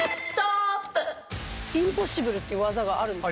「インポッシブル」って技があるんですか？